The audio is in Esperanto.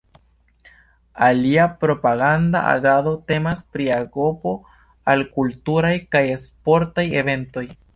Alia propaganda agado temas pri apogo al kulturaj kaj sportaj eventoj.